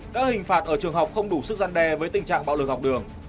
các hình phạt ở trường học không đủ sức gian đe với tình trạng bạo lực học đường